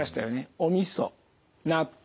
おみそ納豆